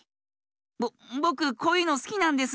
ぼぼくこういうのすきなんです。